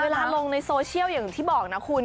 ลงในโซเชียลอย่างที่บอกนะคุณ